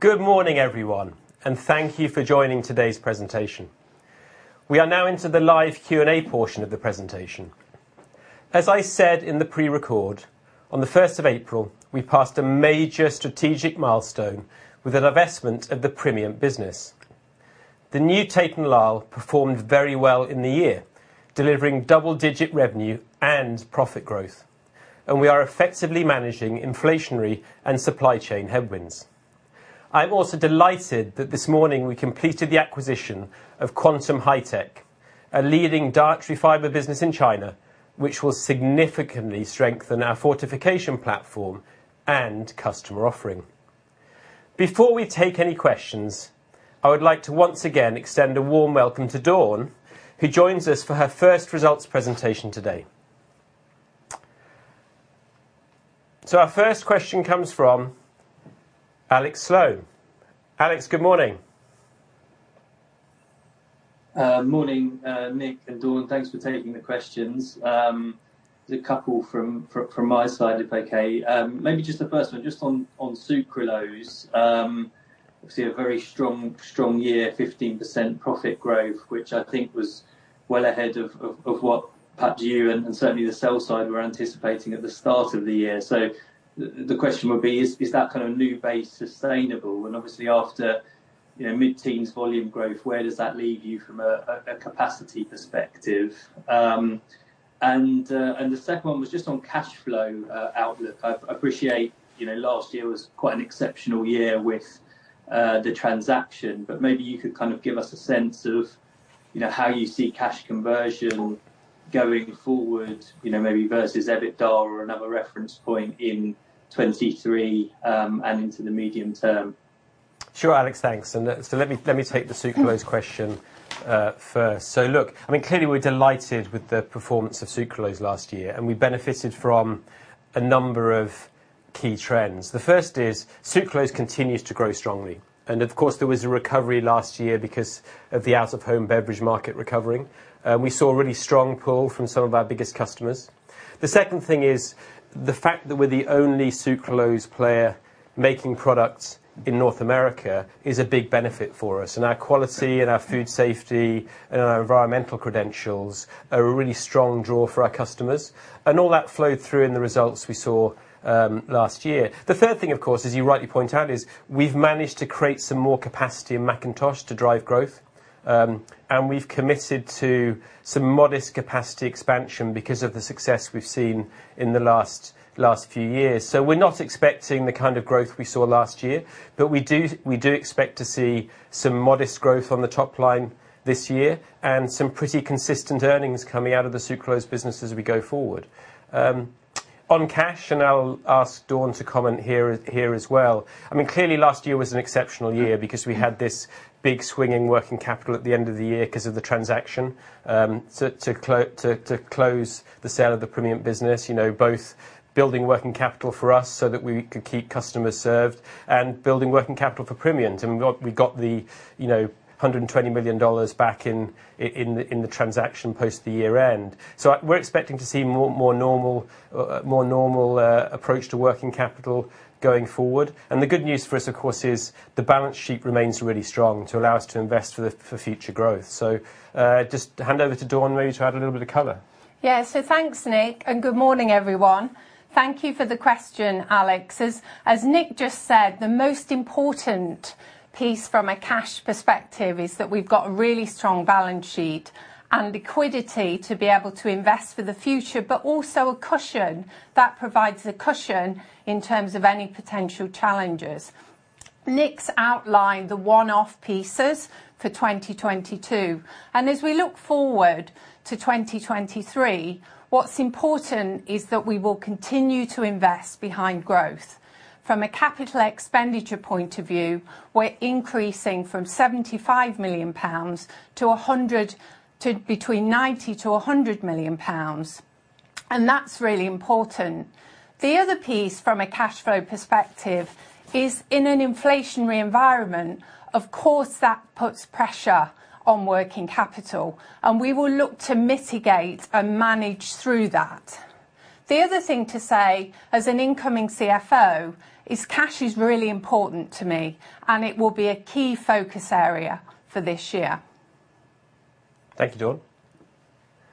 Good morning, everyone, and thank you for joining today's presentation. We are now into the live Q&A portion of the presentation. As I said in the pre-record, on the first of April, we passed a major strategic milestone with the divestment of the Premium business. The new Tate & Lyle performed very well in the year, delivering double digit revenue and profit growth, and we are effectively managing inflationary and supply chain headwinds. I'm also delighted that this morning we completed the acquisition of Quantum Hi-Tech, a leading dietary fiber business in China, which will significantly strengthen our fortification platform and customer offering. Before we take any questions, I would like to once again extend a warm welcome to Dawn, who joins us for her first results presentation today. Our first question comes from Alex Sloane. Alex, good morning. Morning, Nick and Dawn. Thanks for taking the questions. There's a couple from my side, if okay. Maybe just the first one just on sucralose. Obviously a very strong year, 15% profit growth, which I think was well ahead of what perhaps you and certainly the sell side were anticipating at the start of the year. The question would be is that kind of new base sustainable? Obviously after you know mid-teens volume growth, where does that leave you from a capacity perspective? The second one was just on cash flow outlook. I appreciate, you know, last year was quite an exceptional year with the transaction, but maybe you could kind of give us a sense of, you know, how you see cash conversion going forward, you know, maybe versus EBITDA or another reference point in 2023, and into the medium term? Sure, Alex. Thanks. Let me take the sucralose question first. Look, I mean, clearly we're delighted with the performance of sucralose last year, and we benefited from a number of key trends. The first is sucralose continues to grow strongly, and of course, there was a recovery last year because of the out of home beverage market recovering. We saw a really strong pull from some of our biggest customers. The second thing is the fact that we're the only sucralose player making products in North America is a big benefit for us, and our quality and our food safety and our environmental credentials are a really strong draw for our customers. All that flowed through in the results we saw last year. The third thing, of course, as you rightly point out, is we've managed to create some more capacity in McIntosh to drive growth. We've committed to some modest capacity expansion because of the success we've seen in the last few years. We're not expecting the kind of growth we saw last year. We do expect to see some modest growth on the top line this year and some pretty consistent earnings coming out of the sucralose business as we go forward. On cash, I'll ask Dawn to comment here as well. I mean, clearly last year was an exceptional year because we had this big swinging working capital at the end of the year 'cause of the transaction. To close the sale of the Premium business, you know, both building working capital for us so that we could keep customers served and building working capital for Premium. We got the, you know, $120 million back in the transaction post the year-end. We're expecting to see more normal approach to working capital going forward. The good news for us, of course, is the balance sheet remains really strong to allow us to invest for future growth. Just hand over to Dawn maybe to add a little bit of color. Yeah. Thanks, Nick, and good morning, everyone. Thank you for the question, Alex. As Nick just said, the most important piece from a cash perspective is that we've got a really strong balance sheet and liquidity to be able to invest for the future, but also a cushion in terms of any potential challenges. Nick's outlined the one-off pieces for 2022, and as we look forward to 2023, what's important is that we will continue to invest behind growth. From a capital expenditure point of view, we're increasing from 75 million pounds to between 90 million-100 million pounds, and that's really important. The other piece from a cash flow perspective is in an inflationary environment, of course, that puts pressure on working capital, and we will look to mitigate and manage through that. The other thing to say as an incoming CFO is cash is really important to me, and it will be a key focus area for this year. Thank you, Dawn.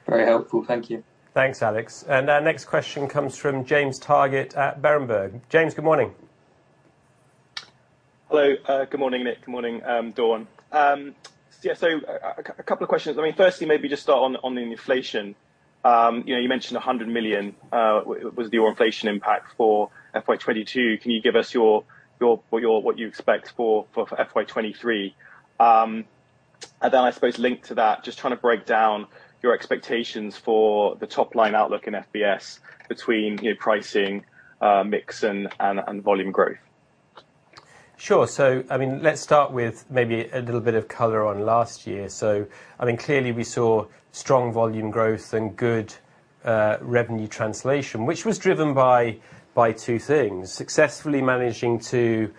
Very helpful. Thank you. Thanks, Alex. Our next question comes from James Targett at Berenberg. James, good morning. Hello. Good morning, Nick. Good morning, Dawn. Yeah, a couple of questions. I mean, firstly, maybe just start on the inflation. You know, you mentioned 100 million was your inflation impact for FY 2022. Can you give us what you expect for FY 2023? Then I suppose linked to that, just trying to break down your expectations for the top line outlook in F&BS between, you know, pricing, mix and volume growth. Sure. I mean, let's start with maybe a little bit of color on last year. I mean, clearly we saw strong volume growth and good revenue translation, which was driven by two things. Successfully managing to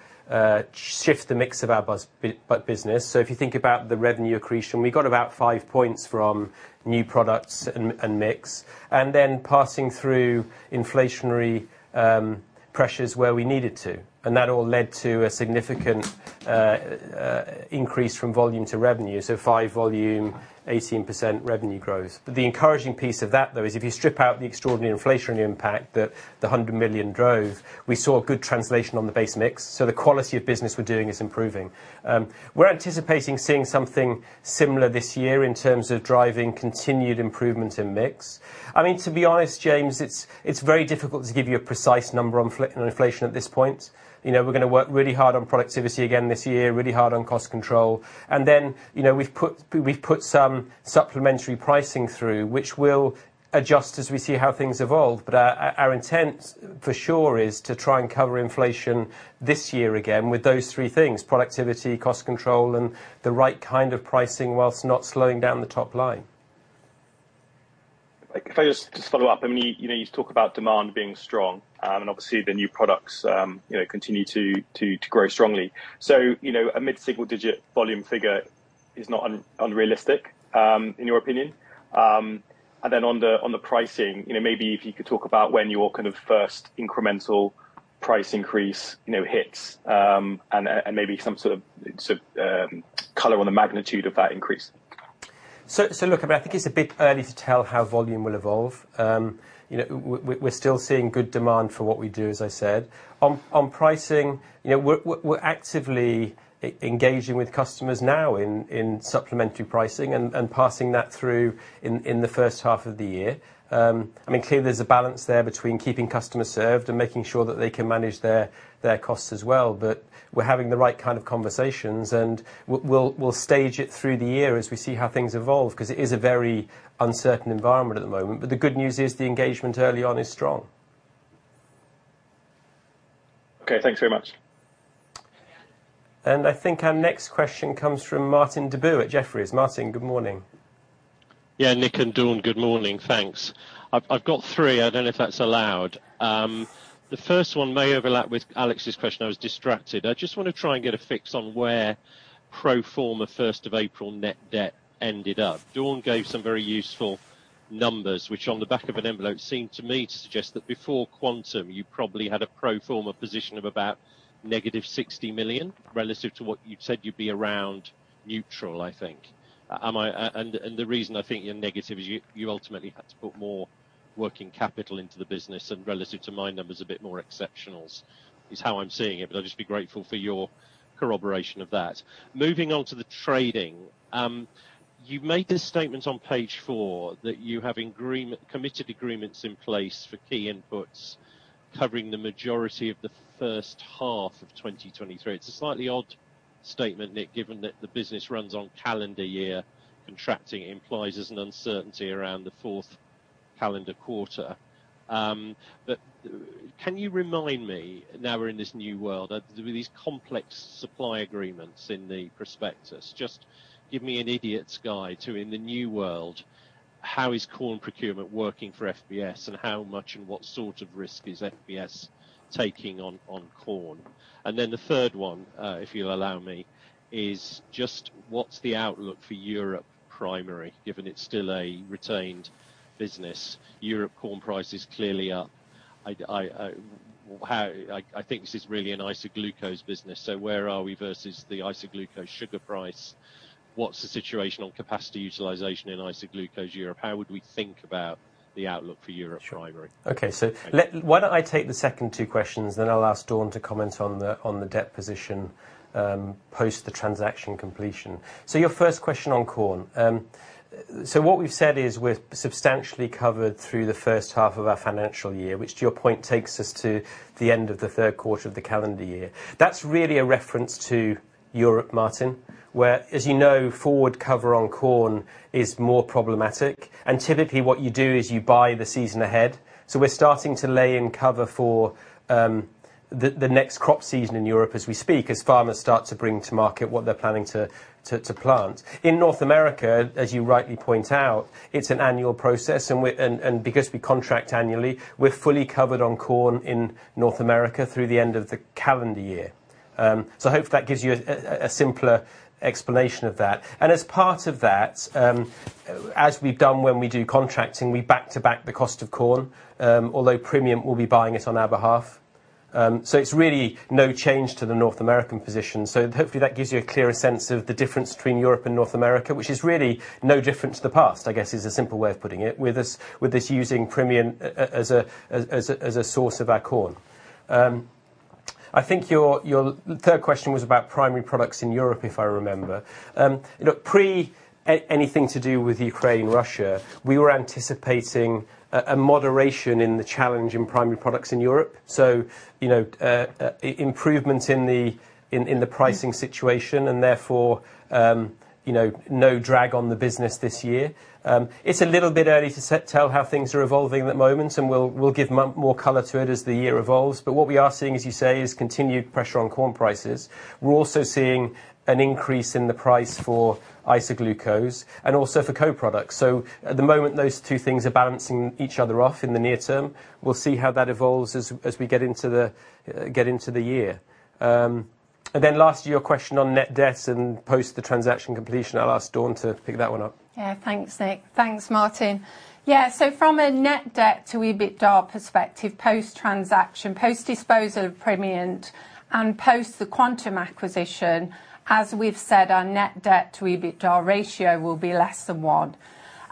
shift the mix of our business. If you think about the revenue accretion, we got about five points from new products and mix, and then passing through inflationary pressures where we needed to, and that all led to a significant increase from volume to revenue, so 5% volume, 18% revenue growth. The encouraging piece of that, though, is if you strip out the extraordinary inflationary impact that the 100 million drove, we saw good translation on the base mix. The quality of business we're doing is improving. We're anticipating seeing something similar this year in terms of driving continued improvement in mix. I mean, to be honest, James, it's very difficult to give you a precise number on inflation at this point. You know, we're gonna work really hard on productivity again this year, really hard on cost control. You know, we've put some supplementary pricing through, which we'll adjust as we see how things evolve. Our intent for sure is to try and cover inflation this year again with those three things, productivity, cost control, and the right kind of pricing while not slowing down the top line. If I just follow up, I mean, you know, you talk about demand being strong, and obviously the new products, you know, continue to grow strongly. You know, a mid-single digit volume figure is not unrealistic, in your opinion. Then on the pricing, you know, maybe if you could talk about when your kind of first incremental price increase, you know, hits, and maybe some sort of color on the magnitude of that increase. Look, I think it's a bit early to tell how volume will evolve. You know, we're still seeing good demand for what we do, as I said. On pricing, you know, we're actively engaging with customers now in supplementary pricing and passing that through in the first half of the year. I mean, clearly there's a balance there between keeping customers served and making sure that they can manage their costs as well. We're having the right kind of conversations, and we'll stage it through the year as we see how things evolve, 'cause it is a very uncertain environment at the moment. The good news is the engagement early on is strong. Okay, thanks very much. I think our next question comes from Martin Deboo at Jefferies. Martin, good morning. Yeah, Nick and Dawn, good morning, thanks. I've got three. I don't know if that's allowed. The first one may overlap with Alex's question. I was distracted. I just wanna try and get a fix on where pro forma first of April net debt ended up. Dawn gave some very useful numbers, which on the back of an envelope seemed to me to suggest that before Quantum, you probably had a pro forma position of about -60 million, relative to what you said you'd be around neutral, I think. Am I? And the reason I think you're negative is you ultimately had to put more working capital into the business, and relative to my numbers, a bit more exceptionals is how I'm seeing it. I'll just be grateful for your corroboration of that. Moving on to the trading, you made this statement on page four that you have committed agreements in place for key inputs covering the majority of the first half of 2023. It's a slightly odd statement, Nick, given that the business runs on calendar year. Contracting implies there's an uncertainty around the fourth calendar quarter. But can you remind me, now we're in this new world, with these complex supply agreements in the prospectus, just give me an idiot's guide to, in the new world, how is corn procurement working for F&BS, and how much and what sort of risk is F&BS taking on corn? Then the third one, if you'll allow me, is just what's the outlook for Europe Primary Products, given it's still a retained business. European corn price is clearly up. I think this is really an isoglucose business. Where are we versus the isoglucose sugar price? What's the situation on capacity utilization in isoglucose Europe? How would we think about the outlook for Europe Primary? Sure. Okay, why don't I take the second two questions, then I'll ask Dawn to comment on the debt position post the transaction completion. Your first question on corn. What we've said is we're substantially covered through the first half of our financial year, which to your point takes us to the end of the third quarter of the calendar year. That's really a reference to Europe, Martin, where, as you know, forward cover on corn is more problematic. Typically what you do is you buy the season ahead. We're starting to lay in cover for the next crop season in Europe as we speak, as farmers start to bring to market what they're planning to plant. In North America, as you rightly point out, it's an annual process, because we contract annually, we're fully covered on corn in North America through the end of the calendar year. I hope that gives you a simpler explanation of that. As part of that, as we've done when we do contracting, we back-to-back the cost of corn, although Primient will be buying it on our behalf. It's really no change to the North American position. Hopefully that gives you a clearer sense of the difference between Europe and North America, which is really no different to the past, I guess, is a simple way of putting it, with us using Primient as a source of our corn. I think your third question was about Primary Products in Europe, if I remember. You know, pre-anything to do with Ukraine, Russia, we were anticipating a moderation in the challenge in Primary Products in Europe. You know, improvement in the pricing situation and therefore, you know, no drag on the business this year. It's a little bit early to tell how things are evolving at the moment, and we'll give more color to it as the year evolves. What we are seeing, as you say, is continued pressure on corn prices. We're also seeing an increase in the price for isoglucose and also for co-products. At the moment, those two things are balancing each other off in the near term. We'll see how that evolves as we get into the year. Then last year, your question on net debt and post the transaction completion. I'll ask Dawn to pick that one up. Yeah. Thanks, Nick. Thanks, Martin. Yeah, so from a net debt to EBITDA perspective, post-transaction, post-disposal of Primient, and post the Quantum acquisition, as we've said, our net debt to EBITDA ratio will be less than one.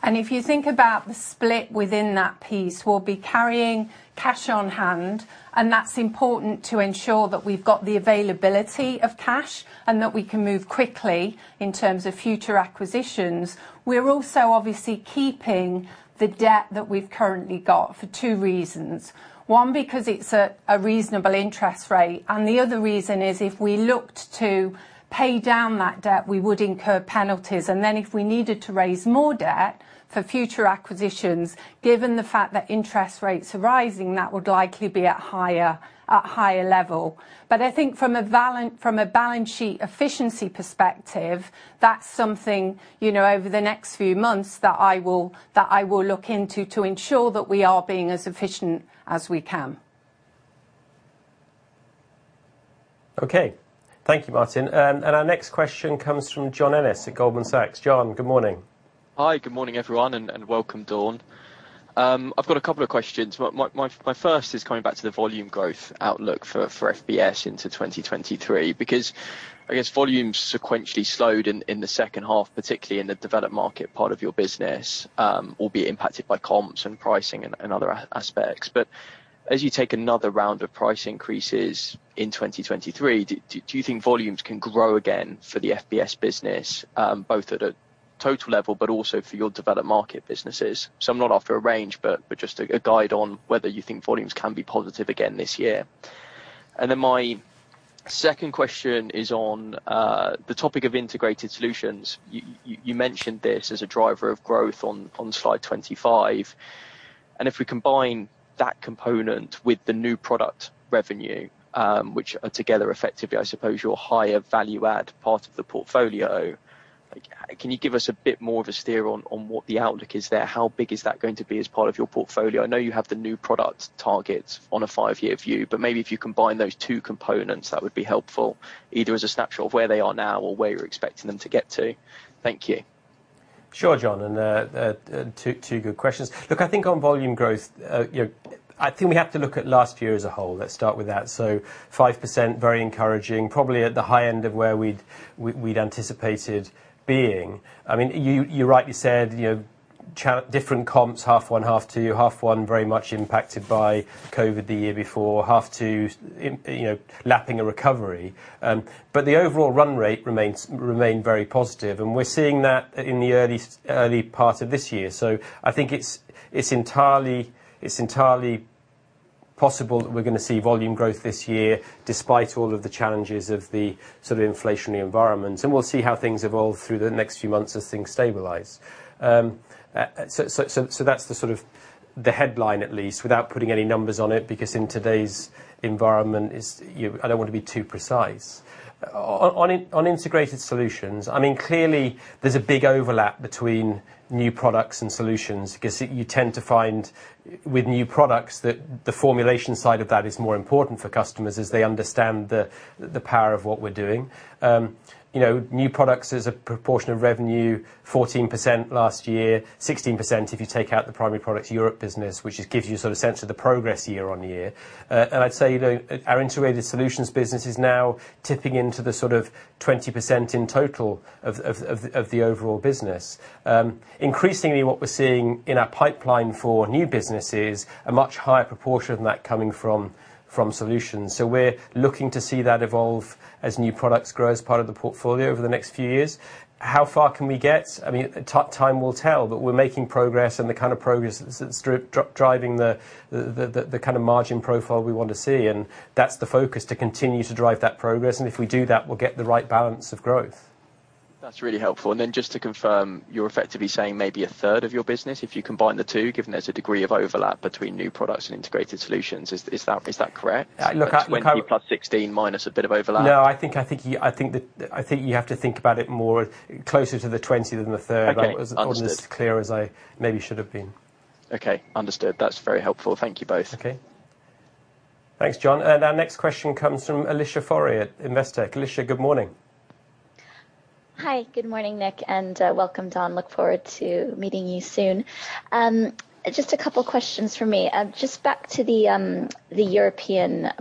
If you think about the split within that piece, we'll be carrying cash on hand, and that's important to ensure that we've got the availability of cash, and that we can move quickly in terms of future acquisitions. We're also obviously keeping the debt that we've currently got for two reasons. One, because it's a reasonable interest rate, and the other reason is if we looked to pay down that debt, we would incur penalties. If we needed to raise more debt for future acquisitions, given the fact that interest rates are rising, that would likely be at a higher level. I think from a balance sheet efficiency perspective, that's something, you know, over the next few months that I will look into to ensure that we are being as efficient as we can. Okay. Thank you, Martin. Our next question comes from John Ennis at Goldman Sachs. John, good morning. Hi, good morning, everyone, and welcome, Dawn. I've got a couple of questions. My first is coming back to the volume growth outlook for F&BS into 2023. Because I guess volume sequentially slowed in the second half, particularly in the developed market part of your business, albeit impacted by comps and pricing and other aspects. But as you take another round of price increases in 2023, do you think volumes can grow again for the F&BS business, both at a total level but also for your developed market businesses? So I'm not after a range, but just a guide on whether you think volumes can be positive again this year. Then my second question is on the topic of integrated solutions. You mentioned this as a driver of growth on Slide 25. If we combine that component with the new product revenue, which are together effectively, I suppose, your higher value add part of the portfolio, like, can you give us a bit more of a steer on what the outlook is there? How big is that going to be as part of your portfolio? I know you have the new product targets on a five-year view, but maybe if you combine those two components, that would be helpful, either as a snapshot of where they are now or where you're expecting them to get to. Thank you. Sure, John. Two good questions. Look, I think on volume growth, you know, I think we have to look at last year as a whole. Let's start with that. 5%, very encouraging, probably at the high end of where we'd anticipated being. I mean, you rightly said, you know, different comps, half one, half two. Half one very much impacted by COVID the year before. Half two's, you know, lapping a recovery. But the overall run rate remains very positive, and we're seeing that in the early part of this year. I think it's entirely possible that we're gonna see volume growth this year, despite all of the challenges of the sort of inflationary environment. We'll see how things evolve through the next few months as things stabilize. That's sort of the headline at least, without putting any numbers on it, because in today's environment, it's. I don't wanna be too precise. On our integrated solutions, I mean, clearly there's a big overlap between new products and solutions. 'Cause you tend to find with new products that the formulation side of that is more important for customers as they understand the power of what we're doing. You know, new products is a proportion of revenue, 14% last year, 16% if you take out the Primary Products Europe business, which just gives you sort of a sense of the progress year on year. I'd say, you know, our integrated solutions business is now tipping into the sort of 20% in total of the overall business. Increasingly what we're seeing in our pipeline for new business is a much higher proportion of that coming from solutions. We're looking to see that evolve as new products grow as part of the portfolio over the next few years. How far can we get? I mean, time will tell, but we're making progress and the kind of progress that's driving the kind of margin profile we want to see, and that's the focus to continue to drive that progress. If we do that, we'll get the right balance of growth. That's really helpful. Just to confirm, you're effectively saying maybe 1/3 of your business, if you combine the two, given there's a degree of overlap between new products and integrated solutions. Is that correct? Look, I would That's 20 + 16 minus a bit of overlap. No, I think you have to think about it more closer to the 20 than the third. Okay. Understood. I wasn't as clear as I maybe should have been. Okay. Understood. That's very helpful. Thank you both. Okay. Thanks, John. Our next question comes from Alicia Forry at Investec. Alicia, good morning. Hi. Good morning, Nick, and welcome, Dawn. Look forward to meeting you soon. Just a couple questions from me. Just back to the Europe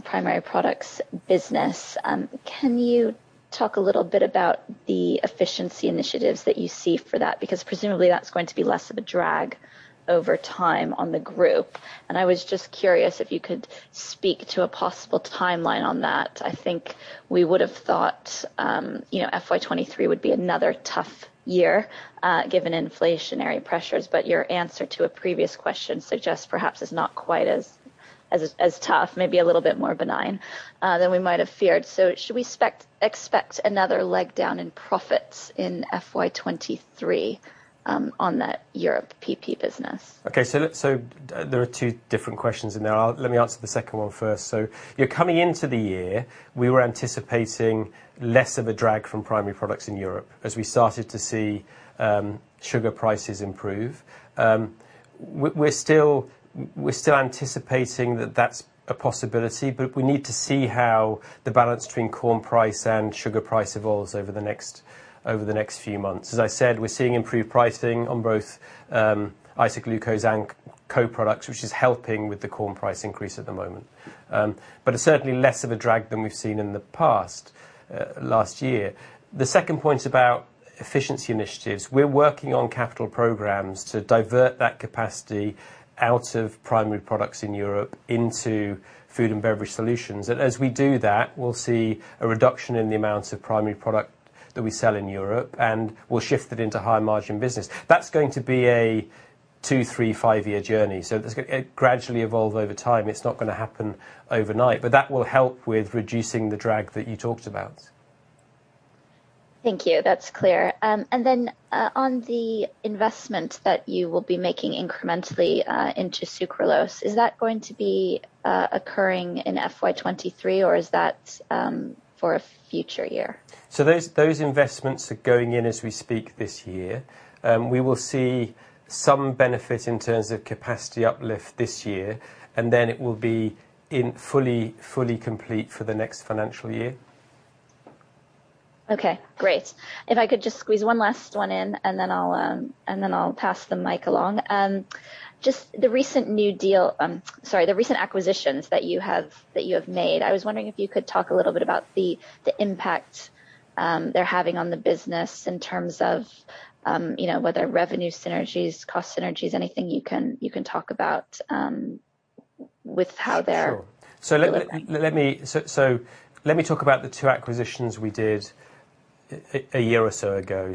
Primary Products business. Can you talk a little bit about the efficiency initiatives that you see for that? Because presumably, that's going to be less of a drag over time on the group. I was just curious if you could speak to a possible timeline on that. I think we would have thought, you know, FY 2023 would be another tough year, given inflationary pressures. Your answer to a previous question suggests perhaps it's not quite as tough, maybe a little bit more benign, than we might have feared. Should we expect another leg down in profits in FY 2023, on that Europe PP business? There are two different questions in there. Let me answer the second one first. Yeah, coming into the year, we were anticipating less of a drag from Primary Products in Europe as we started to see sugar prices improve. We're still anticipating that that's a possibility, but we need to see how the balance between corn price and sugar price evolves over the next few months. As I said, we're seeing improved pricing on both isoglucose and co-products, which is helping with the corn price increase at the moment. But it's certainly less of a drag than we've seen in the past last year. The second point about efficiency initiatives, we're working on capital programs to divert that capacity out of Primary Products in Europe into Food & Beverage Solutions. As we do that, we'll see a reduction in the amounts of primary product that we sell in Europe, and we'll shift it into high-margin business. That's going to be a two, three, five-year journey. It's gonna gradually evolve over time. It's not gonna happen overnight, but that will help with reducing the drag that you talked about. Thank you. That's clear. On the investment that you will be making incrementally into sucralose, is that going to be occurring in FY 2023, or is that for a future year? Those investments are going in as we speak this year. We will see some benefit in terms of capacity uplift this year, and then it will be fully complete for the next financial year. Okay, great. If I could just squeeze one last one in, and then I'll pass the mic along. Just the recent acquisitions that you have made, I was wondering if you could talk a little bit about the impact they're having on the business in terms of, you know, whether revenue synergies, cost synergies, anything you can talk about with how they're. Sure. Delivering. Let me talk about the two acquisitions we did a year or so ago. The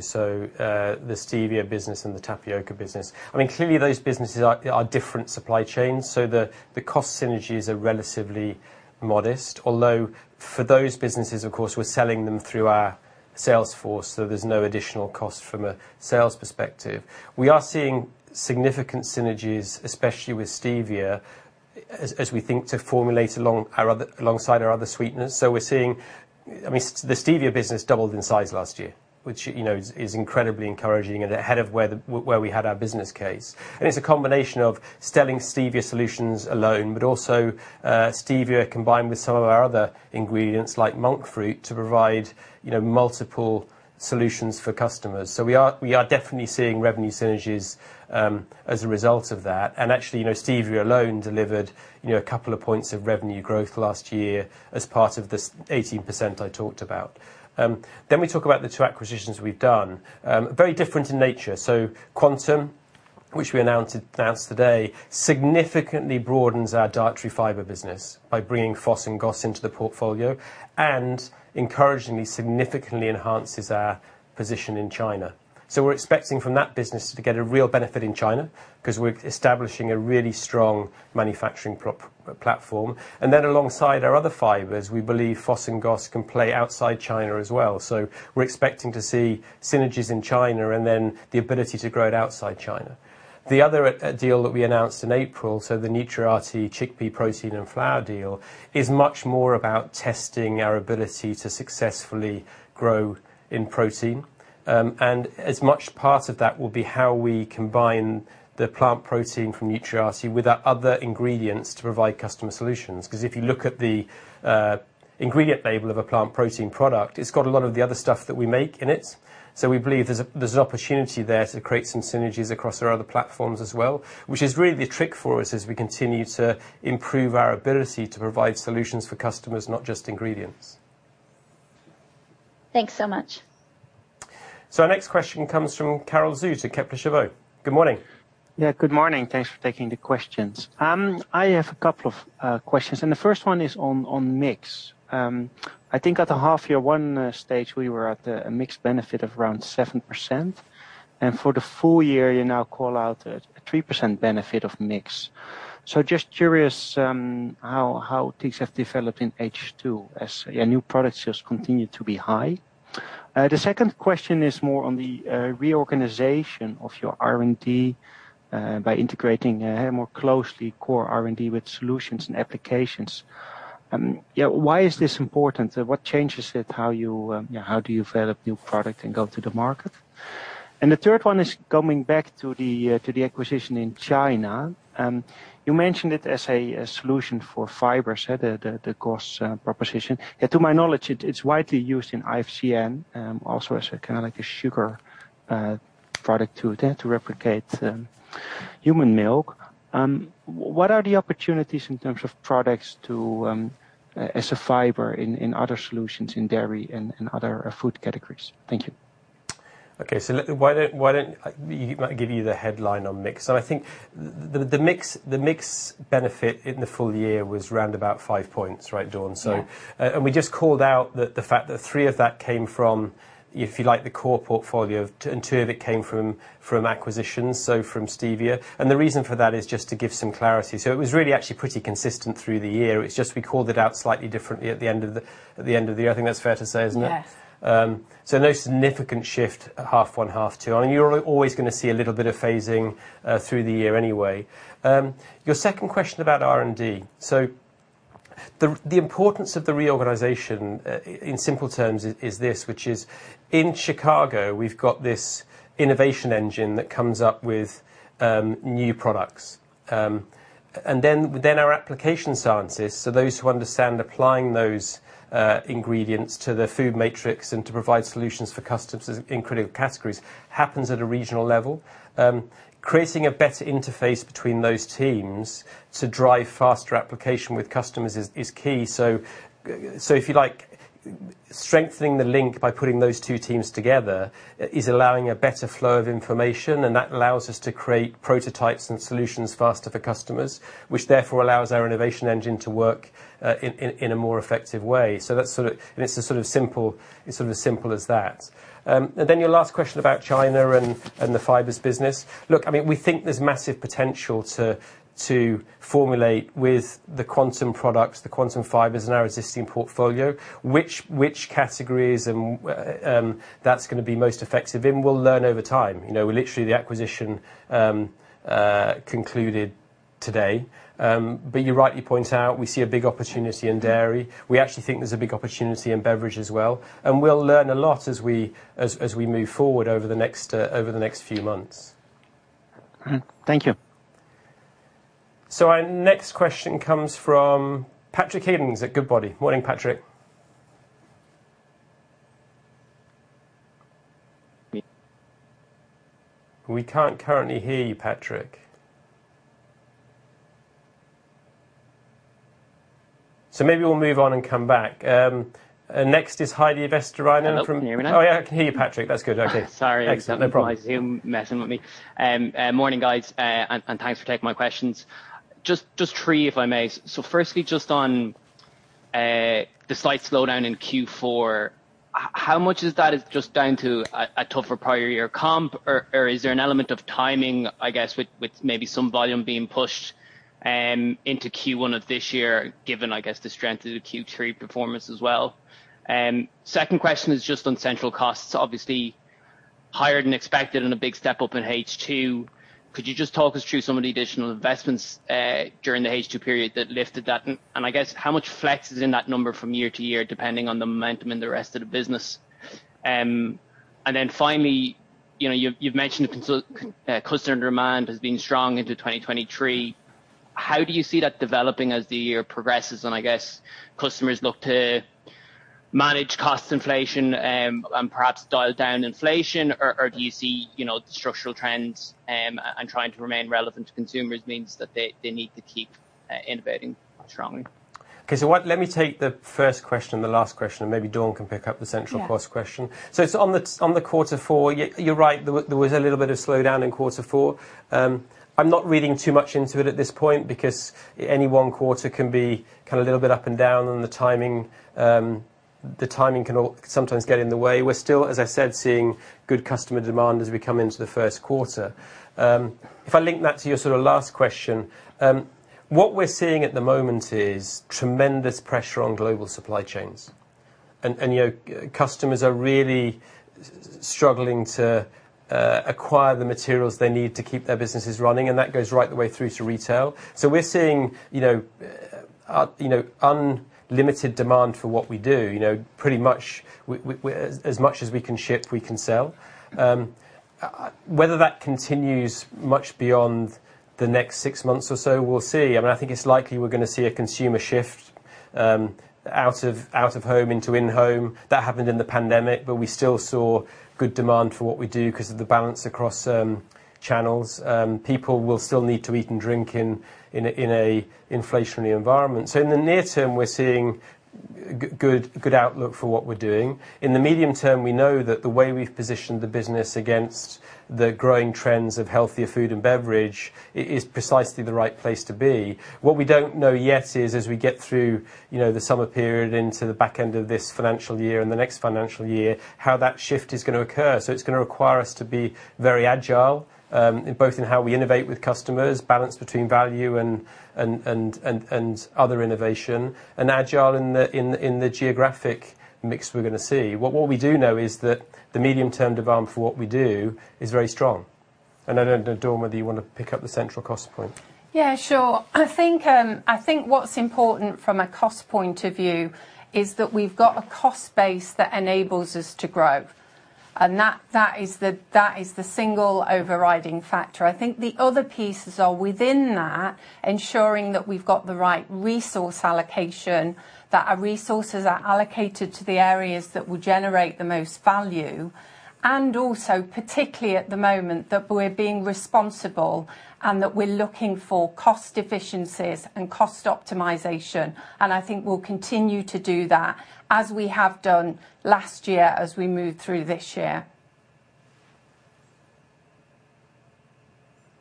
stevia business and the tapioca business. I mean, clearly those businesses are different supply chains, so the cost synergies are relatively modest. Although for those businesses, of course, we're selling them through our sales force, so there's no additional cost from a sales perspective. We are seeing significant synergies, especially with stevia, as we think to formulate alongside our other sweeteners. We're seeing, I mean, the stevia business doubled in size last year, which, you know, is incredibly encouraging and ahead of where we had our business case. It's a combination of selling stevia solutions alone, but also stevia combined with some of our other ingredients, like monk fruit, to provide, you know, multiple solutions for customers. We are definitely seeing revenue synergies as a result of that. Actually, you know, stevia alone delivered, you know, a couple of points of revenue growth last year as part of the 18% I talked about. We talk about the two acquisitions we've done. Very different in nature. Quantum, which we announced today, significantly broadens our dietary fiber business by bringing FOS and GOS into the portfolio and encouragingly, significantly enhances our position in China. We're expecting from that business to get a real benefit in China, 'cause we're establishing a really strong manufacturing platform. Alongside our other fibers, we believe FOS and GOS can play outside China as well. We're expecting to see synergies in China and then the ability to grow it outside China. The other deal that we announced in April, so the Nutriati chickpea protein and flour deal, is much more about testing our ability to successfully grow in protein. As much part of that will be how we combine the plant protein from Nutriati with our other ingredients to provide customer solutions. 'Cause if you look at the ingredient label of a plant protein product, it's got a lot of the other stuff that we make in it. We believe there's an opportunity there to create some synergies across our other platforms as well, which is really the trick for us as we continue to improve our ability to provide solutions for customers, not just ingredients. Thanks so much. Our next question comes from Karel Zoete, Kepler Cheuvreux. Good morning. Yeah, good morning. Thanks for taking the questions. I have a couple of questions, and the first one is on mix. I think at the half year one stage, we were at a mix benefit of around 7%. For the full year, you now call out a 3% benefit of mix. Just curious, how things have developed in H2 as your new product sales continue to be high. The second question is more on the reorganization of your R&D by integrating more closely core R&D with solutions and applications. Yeah, why is this important? What changes it? How do you develop new product and go to the market? The third one is coming back to the acquisition in China. You mentioned it as a solution for fiber, so the cost proposition. To my knowledge, it's widely used in IFCN, also as a kinda like a sugar product to replicate human milk. What are the opportunities in terms of products as a fiber in other solutions in dairy and other food categories? Thank you. Okay. Why don't I give you the headline on mix. I think the mix benefit in the full year was round about five points, right, Dawn? Yeah. We just called out the fact that three of that came from, if you like, the core portfolio, and two of it came from acquisitions, so from stevia. The reason for that is just to give some clarity. It was really actually pretty consistent through the year. It's just we called it out slightly differently at the end of the year. I think that's fair to say, isn't it? Yes. No significant shift at half one, half two. I mean, you're always gonna see a little bit of phasing through the year anyway. Your second question about R&D. The importance of the reorganization, in simple terms, is this, which is in Chicago, we've got this innovation engine that comes up with new products. Then our application sciences, so those who understand applying those ingredients to the food matrix and to provide solutions for customers in critical categories, happens at a regional level. Creating a better interface between those teams to drive faster application with customers is key. If you like, strengthening the link by putting those two teams together is allowing a better flow of information, and that allows us to create prototypes and solutions faster for customers, which therefore allows our innovation engine to work in a more effective way. That's sort of as simple as that. Then your last question about China and the fibers business. Look, I mean, we think there's massive potential to formulate with the Quantum products, the Quantum fibers in our existing portfolio. Which categories and that's gonna be most effective in, we'll learn over time. You know, literally, the acquisition concluded today. But you rightly point out, we see a big opportunity in dairy. We actually think there's a big opportunity in beverage as well, and we'll learn a lot as we move forward over the next few months. All right. Thank you. Our next question comes from Patrick Higgins at Goodbody. Morning, Patrick. We can't currently hear you, Patrick. Maybe we'll move on and come back. Next is Heidi Vesterinen from- Can you hear me now? Oh, yeah, I can hear you, Patrick. That's good. Okay. Sorry. Excellent. No problem. My Zoom messing with me. Morning, guys, and thanks for taking my questions. Just three, if I may. Firstly, just on the slight slowdown in Q4, how much of that is just down to a tougher prior year comp, or is there an element of timing, I guess, with maybe some volume being pushed into Q1 of this year, given, I guess, the strength of the Q3 performance as well? Second question is just on central costs. Obviously, higher than expected and a big step up in H2. Could you just talk us through some of the additional investments during the H2 period that lifted that? I guess how much flex is in that number from year to year, depending on the momentum in the rest of the business. Finally, you know, you've mentioned customer demand has been strong into 2023. How do you see that developing as the year progresses, and I guess customers look to manage cost inflation, and perhaps dial down inflation? Or do you see, you know, structural trends, and trying to remain relevant to consumers means that they need to keep innovating strongly? Let me take the first question and the last question, and maybe Dawn can pick up the central cost question. Yeah. On the quarter four, you're right. There was a little bit of slowdown in quarter four. I'm not reading too much into it at this point because any one quarter can be kind of a little bit up and down, and the timing can sometimes get in the way. We're still, as I said, seeing good customer demand as we come into the first quarter. If I link that to your sort of last question, what we're seeing at the moment is tremendous pressure on global supply chains. you know, customers are really struggling to acquire the materials they need to keep their businesses running, and that goes right the way through to retail. We're seeing, you know, unlimited demand for what we do. You know, pretty much we as much as we can ship, we can sell. Whether that continues much beyond the next six months or so, we'll see. I mean, I think it's likely we're gonna see a consumer shift out of home into in home. That happened in the pandemic, but we still saw good demand for what we do 'cause of the balance across channels. People will still need to eat and drink in an inflationary environment. In the near term, we're seeing good outlook for what we're doing. In the medium term, we know that the way we've positioned the business against the growing trends of healthier food and beverage is precisely the right place to be. What we don't know yet is, as we get through, you know, the summer period into the back end of this financial year and the next financial year, how that shift is gonna occur. It's gonna require us to be very agile, both in how we innovate with customers, balance between value and other innovation, and agile in the geographic mix we're gonna see. What we do know is that the medium-term demand for what we do is very strong. I don't know, Dawn, whether you wanna pick up the central cost point. Yeah, sure. I think what's important from a cost point of view is that we've got a cost base that enables us to grow, and that is the single overriding factor. I think the other pieces are within that, ensuring that we've got the right resource allocation, that our resources are allocated to the areas that will generate the most value and also, particularly at the moment, that we're being responsible and that we're looking for cost efficiencies and cost optimization. I think we'll continue to do that as we have done last year as we move through this year.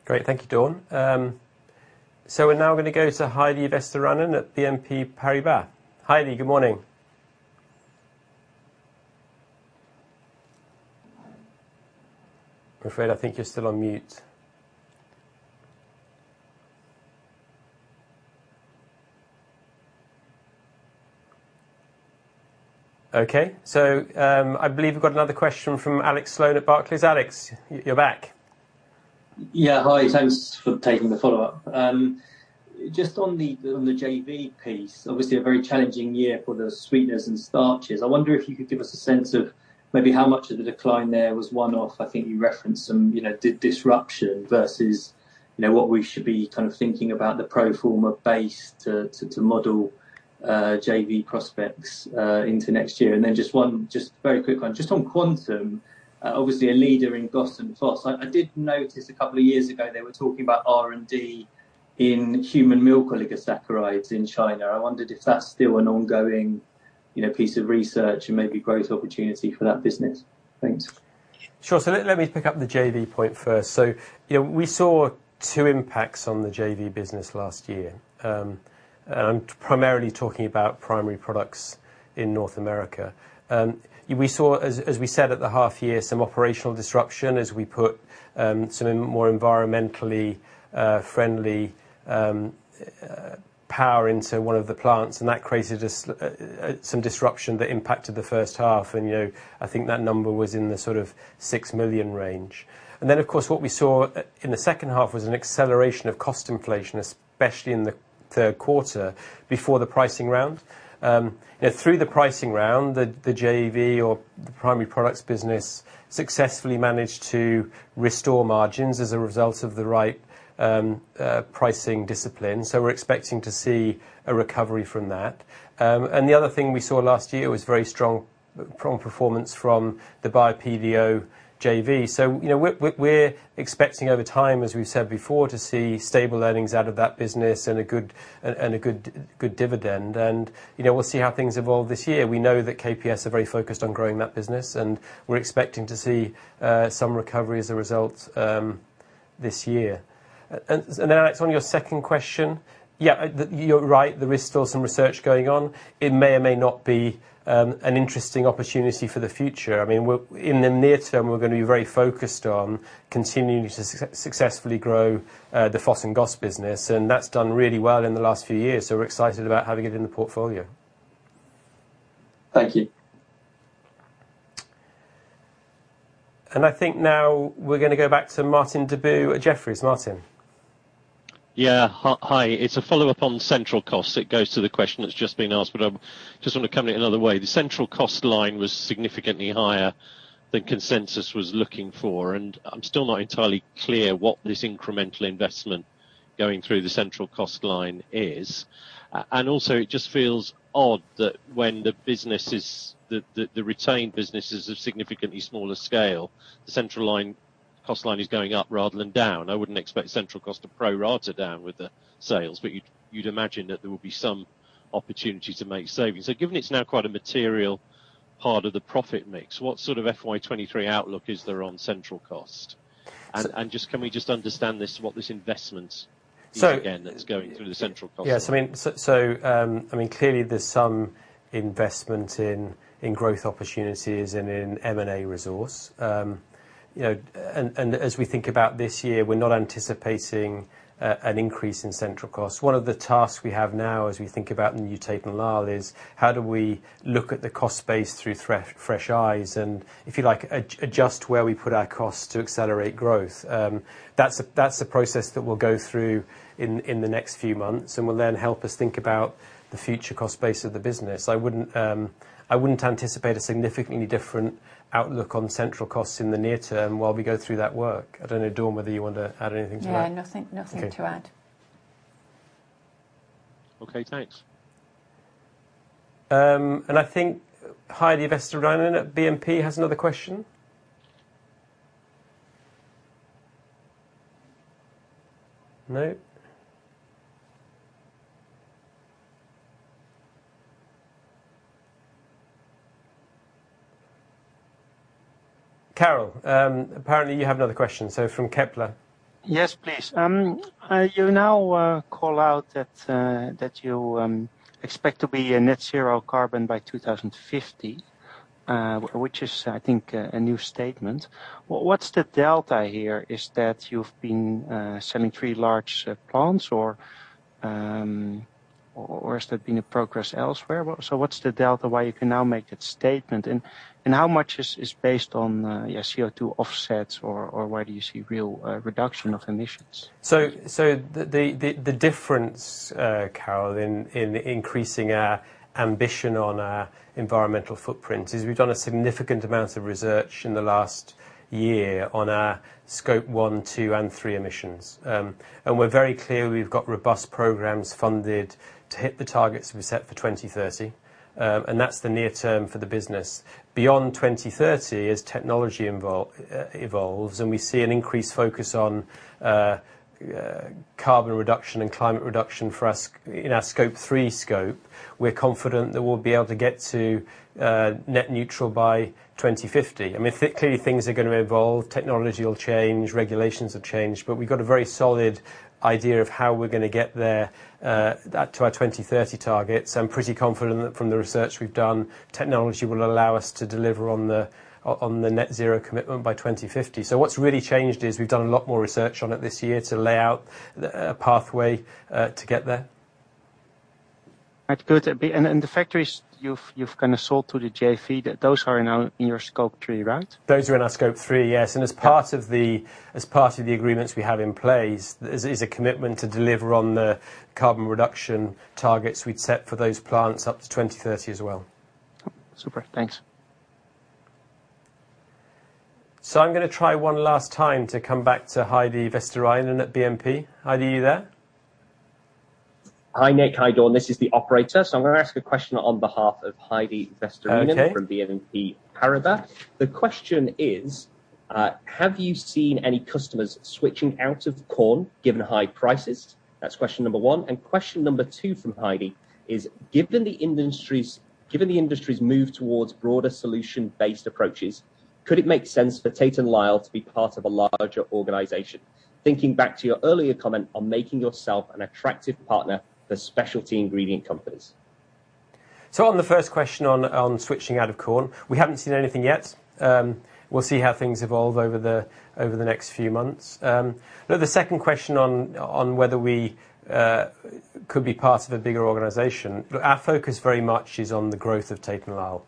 Great. Thank you, Dawn. We're now gonna go to Heidi Vesterinen at BNP Paribas. Heidi, good morning. I'm afraid I think you're still on mute. Okay. I believe we've got another question from Alex Sloane at Barclays. Alex, you're back. Yeah. Hi. Thanks for taking the follow-up. Just on the JV piece, obviously a very challenging year for the sweeteners and starches. I wonder if you could give us a sense of maybe how much of the decline there was one-off. I think you referenced some, you know, disruption versus You know, what we should be kind of thinking about the pro forma base to model JV prospects into next year. Just one, just very quick one. Just on Quantum, obviously a leader in GOS and FOS. I did notice a couple of years ago, they were talking about R&D in human milk oligosaccharides in China. I wondered if that's still an ongoing, you know, piece of research and maybe growth opportunity for that business. Thanks. Sure. Let me pick up the JV point first. You know, we saw two impacts on the JV business last year. I'm primarily talking about Primary Products in North America. We saw, as we said at the half year, some operational disruption as we put some more environmentally friendly power into one of the plants, and that created some disruption that impacted the first half. You know, I think that number was in the sort of 6 million range. Then, of course, what we saw in the second half was an acceleration of cost inflation, especially in the third quarter before the pricing round. You know, through the pricing round, the JV or the Primary Products business successfully managed to restore margins as a result of the right pricing discipline. We're expecting to see a recovery from that. The other thing we saw last year was very strong performance from the Bio-PDO JV. We're expecting over time, as we've said before, to see stable earnings out of that business and a good dividend. We'll see how things evolve this year. We know that KPS are very focused on growing that business, and we're expecting to see some recovery as a result this year. Alex, on your second question, yeah, you're right. There is still some research going on. It may or may not be an interesting opportunity for the future. I mean, in the near term, we're gonna be very focused on continuing to successfully grow the FOS and GOS business, and that's done really well in the last few years, so we're excited about having it in the portfolio. Thank you. I think now we're gonna go back to Martin Deboo at Jefferies. Martin? Yeah. Hi. It's a follow-up on central costs. It goes to the question that's just been asked, but I just wanna come at it another way. The central cost line was significantly higher than consensus was looking for, and I'm still not entirely clear what this incremental investment going through the central cost line is. And also it just feels odd that when the retained business is a significantly smaller scale, the central line, cost line is going up rather than down. I wouldn't expect central cost to pro rata down with the sales, but you'd imagine that there will be some opportunity to make savings. Given it's now quite a material part of the profit mix, what sort of FY 2023 outlook is there on central cost? So- Can we just understand this, what this investment- So- Is it again that's going through the central cost line? Yes, I mean, clearly there's some investment in growth opportunities and in M&A resource. You know, and as we think about this year, we're not anticipating an increase in central costs. One of the tasks we have now as we think about Tate & Lyle is how do we look at the cost base through fresh eyes, and if you like, adjust where we put our costs to accelerate growth. That's a process that we'll go through in the next few months and will then help us think about the future cost base of the business. I wouldn't anticipate a significantly different outlook on central costs in the near term while we go through that work. I don't know, Dawn, whether you want to add anything to that. Yeah, nothing. Okay. Nothing to add. Okay, thanks. I think, Heidi Vesterinen at BNP has another question. No? Karel, apparently you have another question, so from Kepler Cheuvreux. Yes, please. You know, call out that you expect to be a net zero carbon by 2050, which is, I think, a new statement. What's the delta here? Is that you've been selling three large plants or has there been a progress elsewhere? So what's the delta why you can now make that statement? And how much is based on CO2 offsets or where do you see real reduction of emissions? The difference, Karel, in increasing our ambition on our environmental footprint is we've done a significant amount of research in the last year on our Scope 1, 2, and 3 emissions. We're very clear we've got robust programs funded to hit the targets we set for 203 0. That's the near term for the business. Beyond 2030, as technology evolves and we see an increased focus on carbon reduction and climate reduction for us in our Scope 3, we're confident that we'll be able to get to net zero by 2050. I mean, clearly things are gonna evolve. Technology will change, regulations will change, but we've got a very solid idea of how we're gonna get there to our 2030 targets. I'm pretty confident that from the research we've done, technology will allow us to deliver on the net zero commitment by 2050. What's really changed is we've done a lot more research on it this year to lay out the pathway to get there. That's good. The factories you've kind of sold to the JV, those are now in your Scope 3, right? Those are in our Scope 3, yes. Okay. As part of the agreements we have in place is a commitment to deliver on the carbon reduction targets we'd set for those plants up to 2030 as well. Super. Thanks. I'm gonna try one last time to come back to Heidi Vesterinen at BNP. Heidi, you there? Hi, Nick. Hi, Dawn. This is the operator. I'm gonna ask a question on behalf of Heidi Vesterinen. Okay From BNP Paribas. The question is, have you seen any customers switching out of corn, given the high prices? That's question number one. Question number two from Heidi is, given the industry's move towards broader solution-based approaches, could it make sense for Tate & Lyle to be part of a larger organization? Thinking back to your earlier comment on making yourself an attractive partner for specialty ingredient companies. On the first question, on switching out of corn, we haven't seen anything yet. We'll see how things evolve over the next few months. The second question on whether we could be part of a bigger organization, our focus very much is on the growth of Tate & Lyle.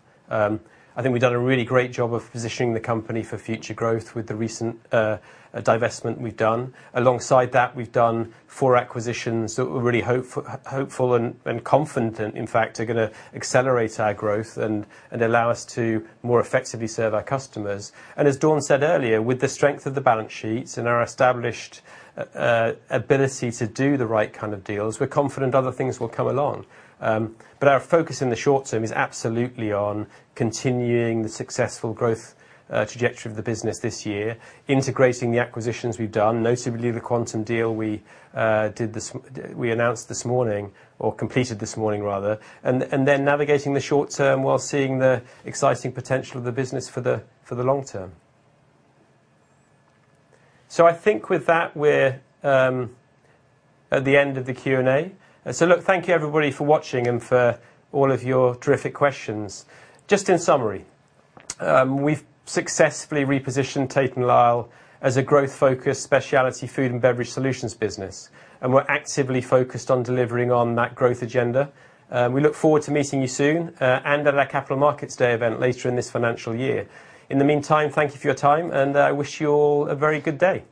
I think we've done a really great job of positioning the company for future growth with the recent divestment we've done. Alongside that, we've done four acquisitions that we're really hopeful and confident, in fact, are gonna accelerate our growth and allow us to more effectively serve our customers. As Dawn said earlier, with the strength of the balance sheets and our established ability to do the right kind of deals, we're confident other things will come along. Our focus in the short term is absolutely on continuing the successful growth trajectory of the business this year, integrating the acquisitions we've done, notably the Quantum deal we announced this morning or completed this morning rather, and then navigating the short term while seeing the exciting potential of the business for the long term. I think with that, we're at the end of the Q&A. Look, thank you everybody for watching and for all of your terrific questions. Just in summary, we've successfully repositioned Tate & Lyle as a growth-focused specialty Food & Beverage Solutions business, and we're actively focused on delivering on that growth agenda. We look forward to meeting you soon, and at our Capital Markets Day event later in this financial year. In the meantime, thank you for your time and I wish you all a very good day.